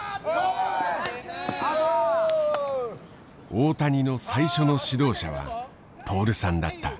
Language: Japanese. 大谷の最初の指導者は徹さんだった。